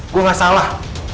gue nggak salah